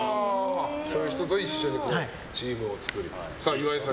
そういう人と一緒にチームを作って。